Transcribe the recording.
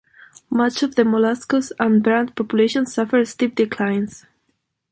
Much of the mollusk and brant populations suffered steep declines.